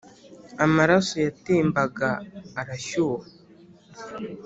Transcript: amaraso yatembaga arashyuha